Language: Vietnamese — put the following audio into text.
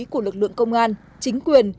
của lực lượng công an chính quyền